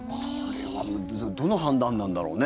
どの判断なんだろうね。